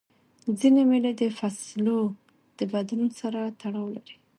ځیني مېلې د فصلو د بدلون سره تړاو لري.